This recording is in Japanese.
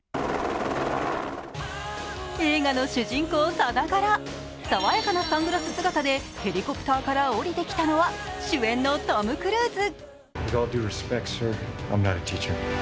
映画の主人公さながら、爽やかなサングラス姿でヘリコプターから降りてきたのは主演のトム・クルーズ。